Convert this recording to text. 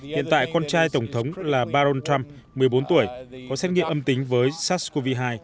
hiện tại con trai tổng thống là baron trump một mươi bốn tuổi có xét nghiệm âm tính với sars cov hai